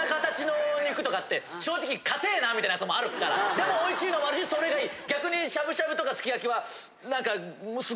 でもおいしいのもあるしそれがいい。